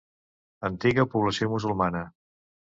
Antiga població musulmana.